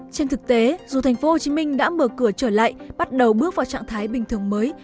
trên thực tế dù thành phố hồ chí minh đã mở cửa trở lại bắt đầu bước vào trạng thái bình thường mới